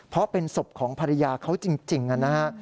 เพราะเป็นศพของภรรยาเขาจริงนะฮะ